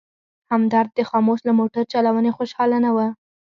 همدرد د خاموش له موټر چلونې خوشحاله نه و.